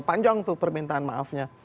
panjang tuh permintaan maafnya